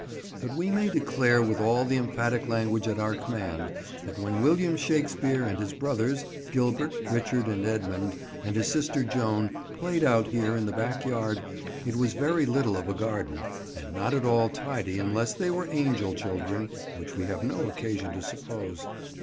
But we may declare with all the emphatic language at our command, that when William Shakespeare and his brothers Gilbert, Richard and Edmund, and his sister Joan played out here in the back yard, it was very little of a garden, and not at all tidy unless they were angel children, which we have no occasion to suppose.